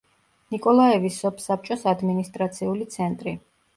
ნიკოლაევის სოფსაბჭოს ადმინისტრაციული ცენტრი.